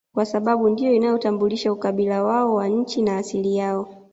Kwasababu ndio inayotambulisha ukabila wao wa nchi na asili yao